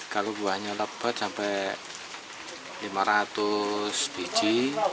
kalau buahnya lebat sampai lima ratus biji